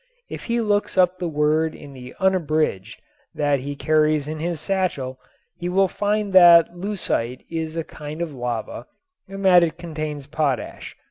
If he looks up the word in the Unabridged that he carries in his satchel he will find that leucite is a kind of lava and that it contains potash.